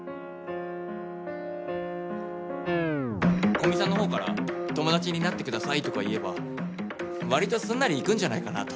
古見さんの方から「友達になって下さい」とか言えば割とすんなりいくんじゃないかなと。